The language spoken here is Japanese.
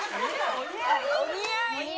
お似合い？